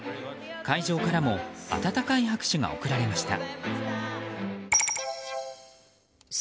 会場からも温かい拍手が送られました。